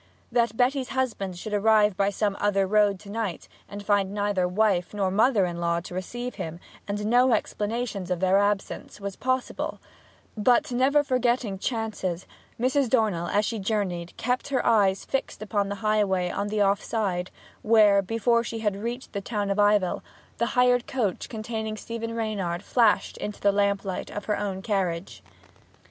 That Betty's husband should arrive by some other road to night, and find neither wife nor mother in law to receive him, and no explanation of their absence, was possible; but never forgetting chances, Mrs. Dornell as she journeyed kept her eyes fixed upon the highway on the off side, where, before she had reached the town of Ivell, the hired coach containing Stephen Reynard flashed into the lamplight of her own carriage.